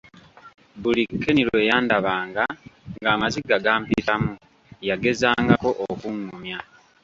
Buli Ken lwe yandabanga ng'amaziga gampitamu yagezangako okungumya.